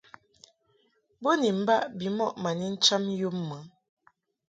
Bo ni mbaʼ bimɔʼ ma ni ncham yum mɨ.